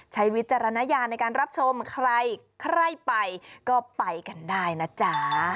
วิจารณญาณในการรับชมใครใครไปก็ไปกันได้นะจ๊ะ